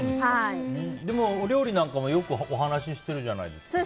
お料理なんかもよくお話してるじゃないですか。